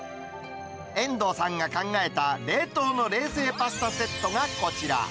遠藤さんが考えた冷凍の冷製パスタセットがこちら。